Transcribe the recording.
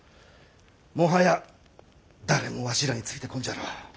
もはや誰もわしらについてこんじゃろう。